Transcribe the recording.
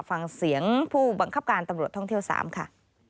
ฟังเสียงผู้บังคับการตำรวจท่องเที่ยว๓ค่ะ